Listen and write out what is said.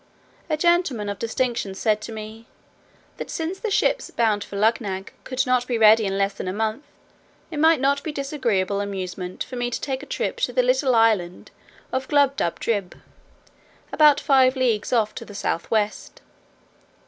A gentleman of distinction said to me, "that since the ships bound for Luggnagg could not be ready in less than a month, it might be no disagreeable amusement for me to take a trip to the little island of Glubbdubdrib, about five leagues off to the south west."